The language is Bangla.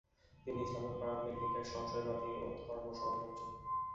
তিনি ইসলামের প্রারম্ভিক দিকের সংশয়বাদী ও ধর্মসমালোচক।